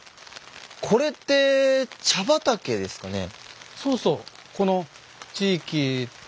これって茶畑ですかね？